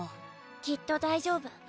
きっと大丈夫。